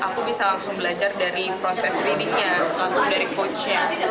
saya bisa langsung belajar dari proses readingnya langsung dari coachnya